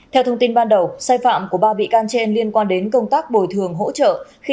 theo thông tin ban đầu sai phạm của ba bị can trên liên quan đến công tác bồi thường hỗ trợ